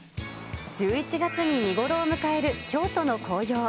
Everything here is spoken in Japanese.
１１月に見頃を迎える京都の紅葉。